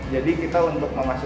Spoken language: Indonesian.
jadi kita untuk memasukkan cahaya